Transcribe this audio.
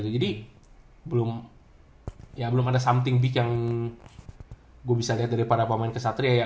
jadi belum ada something big yang gua bisa liat dari para pemain ksatria